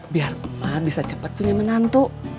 biar pak bisa cepat punya menantu